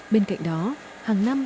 bên cạnh đó hàng năm